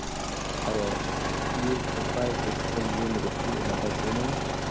ایا پییر په پای کې د خپل ژوند رښتینی هدف وموند؟